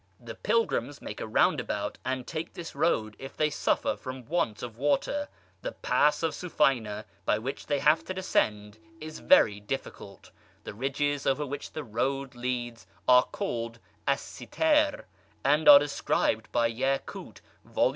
The pilgrims make a roundabout, and take this road, if they suffer from want of water. The pass of Sufayna, by which they have to descend, is very difficult. The ridges over which the road leads are called al Sitar, and are described by Yacut, vol.